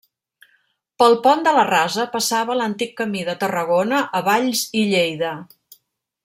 Pel pont de la Rasa passava l'antic camí de Tarragona a Valls i Lleida.